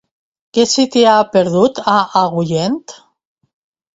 Què se t'hi ha perdut, a Agullent?